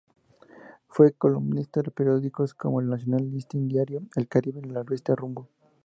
Fue columnista de periódicos como "El Nacional", "Listín Diario", "El Caribe", la revista "Rumbo".